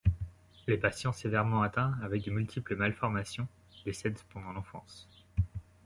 Les patients sévèrement atteints, avec de multiples malformations, décèdent pendant l'enfance.